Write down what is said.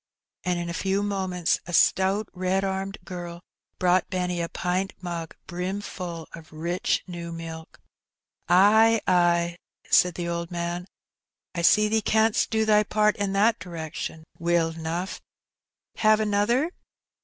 And in a few moments a stout red armed girl brought Benny a pint mug, brimful of rich new milk. ''Ay, ay," said the old man, "I see thee canst do thy part in that direction weel eno'. Have another?"